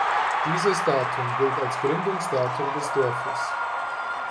Dieses Datum gilt als Gründungsdatum des Dorfes.